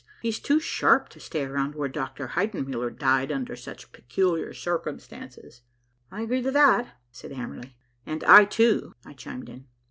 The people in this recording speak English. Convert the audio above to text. He's too sharp to stay around where Dr. Heidenmuller died under such peculiar circumstances." "I agree to that," said Hamerly. "And I, too," I chimed in.